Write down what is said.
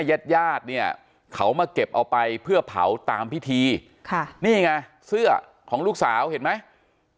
ญาติญาติเนี่ยเขามาเก็บเอาไปเพื่อเผาตามพิธีค่ะนี่ไงเสื้อของลูกสาวเห็นไหม